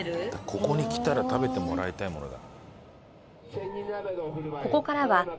ここに来たら食べてもらいたいものだ。